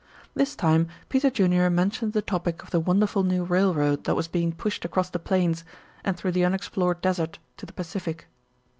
This time Peter Junior mentioned the topic of the wonderful new railroad that was being pushed across the plains and through the unexplored desert to the Pacific.